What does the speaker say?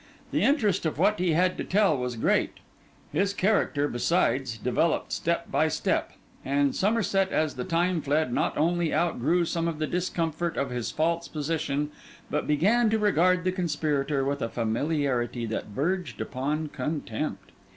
The interest of what he had to tell was great; his character, besides, developed step by step; and Somerset, as the time fled, not only outgrew some of the discomfort of his false position, but began to regard the conspirator with a familiarity that verged upon contempt.